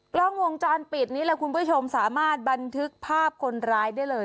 กล้องวงจรปิดนี้แหละคุณผู้ชมสามารถบันทึกภาพคนร้ายได้เลย